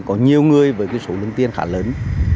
có nhiều người với số lương tiền khá lớn